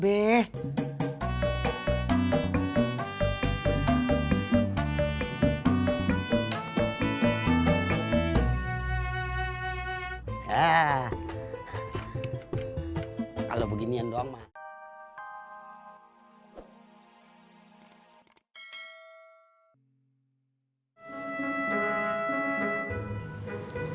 ah kalau beginian doang mah